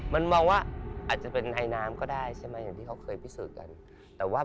มันบอกว่าอาจจะเป็นนายนามก็ได้ใช่ไหมที่เขาเคยพิสูจน์กัน